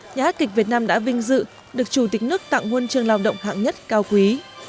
nhà hát kịch việt nam đã vinh dự được chủ tịch nước tặng nguồn trường lao động hạng nhất cao quý